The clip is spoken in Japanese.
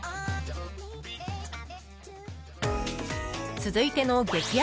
続いての激安